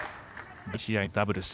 第１試合のダブルス